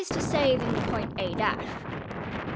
say than the point a. The